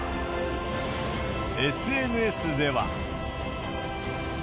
ＳＮＳでは。